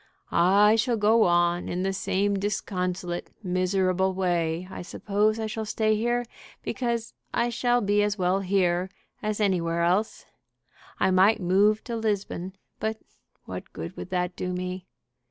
"I shall go on in the same disconsolate, miserable way, I suppose I shall stay here, because I shall be as well here as anywhere else. I might move to Lisbon, but what good would that do me?